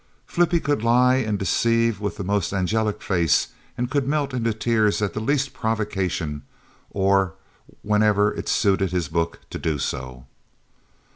Flippie could lie and deceive with the most angelic face and could melt into tears on the least provocation or whenever it suited his book to do so.